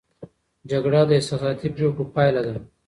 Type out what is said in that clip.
جګړه د احساساتي پرېکړو پایله ده.